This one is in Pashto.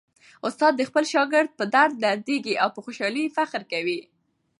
استاد د خپل شاګرد په درد دردیږي او په خوشالۍ یې فخر کوي.